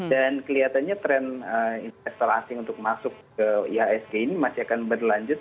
dan kelihatannya trend investor asing untuk masuk ke ihsg ini masih akan berlanjut